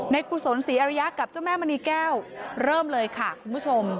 กุศลศรีอริยะกับเจ้าแม่มณีแก้วเริ่มเลยค่ะคุณผู้ชม